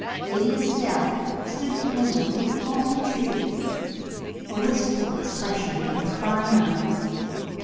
Lady Estelle stood at the window, looking over the trees, a wistful expression in her fine eyes.